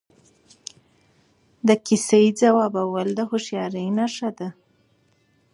د چیستانونو ځوابول د هوښیارۍ نښه ده.